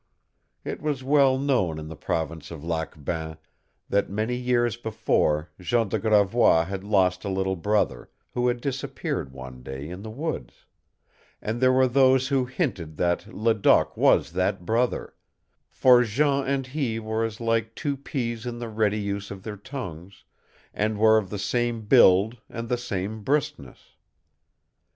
It was well known in the province of Lac Bain that many years before Jean de Gravois had lost a little brother, who had disappeared one day in the woods; and there were those who hinted that Ledoq was that brother, for Jean and he were as like as two peas in the ready use of their tongues, and were of the same build and the same briskness.